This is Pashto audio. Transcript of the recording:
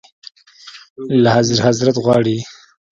له اعلیحضرت غواړي.